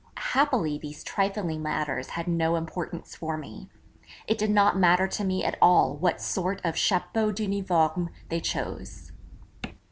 Happily these trifling matters had no importance for me; it did not matter to me at all what sort of chapeau d'uniforme they chose.